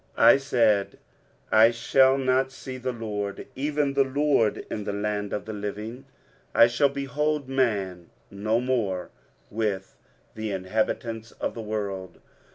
23:038:011 I said, I shall not see the LORD, even the LORD, in the land of the living: I shall behold man no more with the inhabitants of the world.